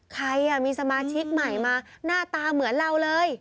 ใครมีสมาชิกใหม่มาหน้าตาเหมือนเราเลย